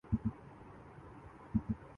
سیاسی جماعتیں پہلے کی طرح باہم دست و گریبان ہیں۔